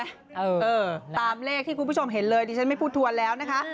เออตามเลขที่คุณผู้ชมเห็นเลยดิฉันไม่พูดทวนแล้วนะคะ